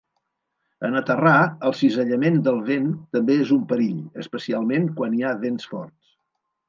En aterrar, el cisallament del vent també és un perill, especialment quan hi ha vents forts.